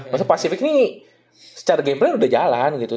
maksudnya pacific ini secara gameplay udah jalan gitu